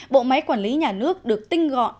bộ máy quản lý nhà nước được tinh gọn